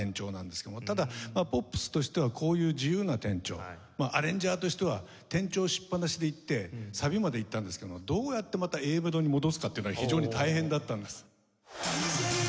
ただポップスとしてはこういう自由な転調まあアレンジャーとしては転調しっぱなしでいってサビまでいったんですけどどうやってまたＡメロに戻すかっていうのが非常に大変だったんです。